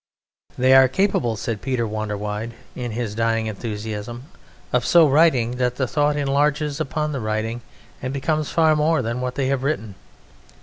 They are capable," said Peter Wanderwide, in his dying enthusiasm, "of so writing that the thought enlarges upon the writing and becomes far more than what they have written.